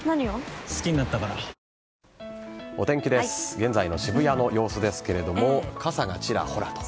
現在の渋谷の様子ですが傘がちらほらと。